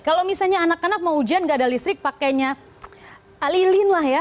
kalau misalnya anak anak mau ujian nggak ada listrik pakainya lilin lah ya